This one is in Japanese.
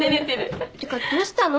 てかどうしたの？